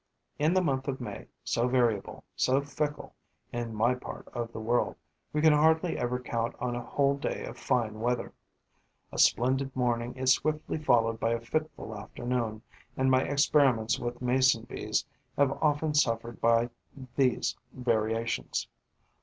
In the month of May, so variable, so fickle, in my part of the world, we can hardly ever count on a whole day of fine weather. A splendid morning is swiftly followed by a fitful afternoon; and my experiments with Mason bees have often suffered by these variations.